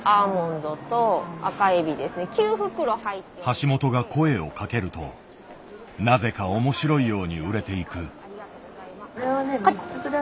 橋本が声をかけるとなぜか面白いように売れていく。